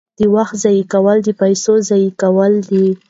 د وخت ضایع کول د پیسو ضایع کول دي.